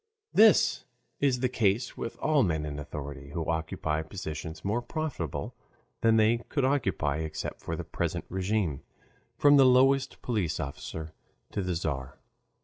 This is the case with all men in authority, who occupy positions more profitable than they could occupy except for the present RÉGIME, from the lowest police officer to the Tzar.